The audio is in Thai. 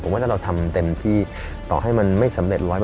ว่าถ้าเราทำเต็มที่ต่อให้มันไม่สำเร็จ๑๐๐